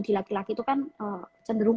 di laki laki itu kan cenderung